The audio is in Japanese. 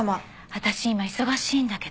私今忙しいんだけど。